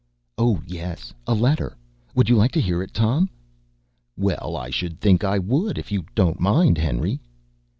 "Oh, yes, a letter. Would you like to hear it, Tom?" "Well, I should think I would, if you don't mind, Henry!"